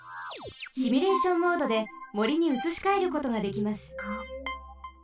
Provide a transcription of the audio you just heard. シミュレーションモードでもりにうつしかえることができます。